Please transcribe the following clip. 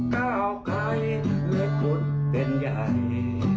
เก่าใกล้เลือกคุดเป็นใย